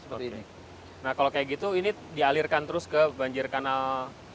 nah kalau kayak gitu ini dialirkan terus ke banjir kanal